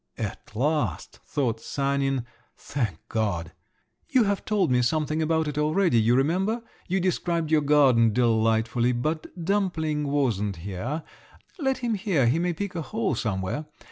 (At last, thought Sanin, thank God!) You have told me something about it already, you remember, you described your garden delightfully, but dumpling wasn't here…. Let him hear, he may pick a hole somewhere!